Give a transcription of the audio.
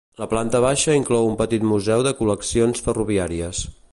La planta baixa inclou un petit museu de col·leccions ferroviàries.